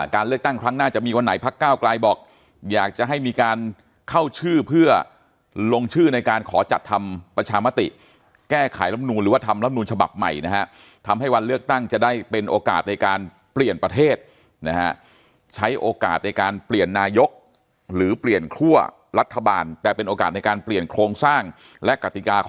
เลือกตั้งครั้งหน้าจะมีวันไหนพักก้าวกลายบอกอยากจะให้มีการเข้าชื่อเพื่อลงชื่อในการขอจัดทำประชามติแก้ไขลำนูนหรือว่าทำลำนูลฉบับใหม่นะฮะทำให้วันเลือกตั้งจะได้เป็นโอกาสในการเปลี่ยนประเทศนะฮะใช้โอกาสในการเปลี่ยนนายกหรือเปลี่ยนคั่วรัฐบาลแต่เป็นโอกาสในการเปลี่ยนโครงสร้างและกติกาค